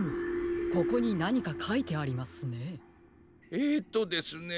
えっとですね